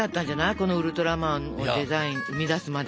このウルトラマンのデザイン生み出すまで。